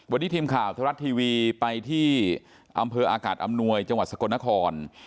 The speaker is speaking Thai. วันนี้ทีมข่าวไทยรัฐทีวีไปที่อำเภออากาศอำนวยจังหวัดสกลนคร